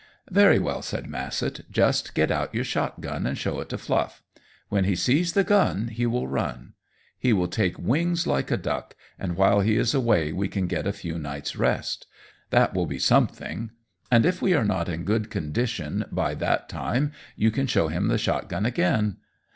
"Very well," said Massett; "just get out your shotgun and show it to Fluff. When he sees the gun he will run. He will take wings like a duck, and while he is away we can get a few nights' rest. That will be something. And if we are not in good condition by that time, you can show him the shotgun again.